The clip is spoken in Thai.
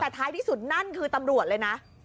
แต่ท้ายที่สุดนั่นคือตำรวจเลยนะ